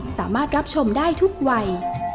สามารถรับชมได้ทุกวัย